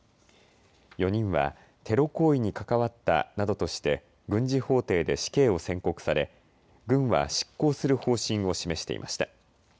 ４人はテロ行為に関わったなどとして軍事法廷で死刑を宣告され、軍は執行する方針を示していました。